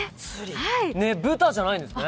「ぶた」じゃないんですね。